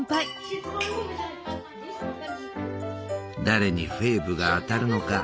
誰にフェーブが当たるのか。